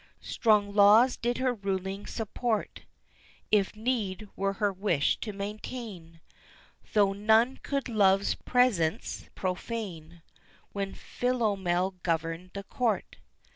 Strong laws did her ruling support If need were her wish to maintain; Though none could Love's presence profane When Philomel governed the court.